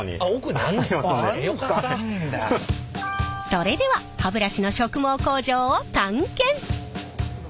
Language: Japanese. それでは歯ブラシの植毛工場を探検！